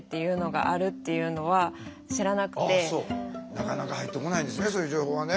なかなか入ってこないですねそういう情報はね。